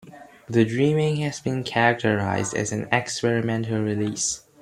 "The Dreaming" has been characterized as an experimental release.